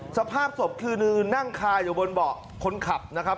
สภาพศพคือนั่งคาอยู่บนเบาะคนขับนะครับ